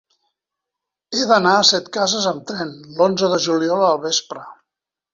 He d'anar a Setcases amb tren l'onze de juliol al vespre.